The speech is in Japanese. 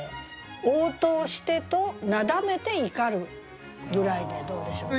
「『応答して』となだめて怒る」ぐらいでどうでしょう？